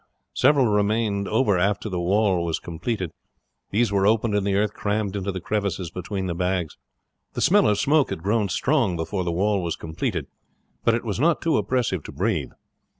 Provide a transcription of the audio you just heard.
Several remained over after the wall was completed; these were opened and the earth crammed into the crevices between the bags. The smell of smoke had grown strong before the wall was completed, but it was not too oppressive to breathe.